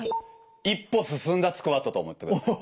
一歩進んだスクワットと思ってください。